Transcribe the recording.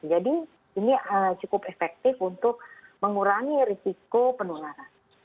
ini cukup efektif untuk mengurangi risiko penularan